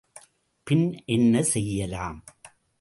பின் என்ன செய்யலாம்?